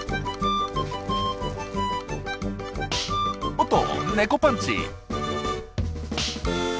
おっと猫パンチ！